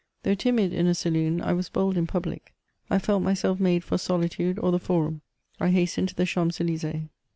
Though timid in a saloon, I was bold in public; I felt myself made for solitude or the forum; I hastened to the Champs* Elys^es.